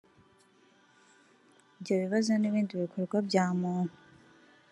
Ibyo bibazo n’ibindi bikorwa bya muntu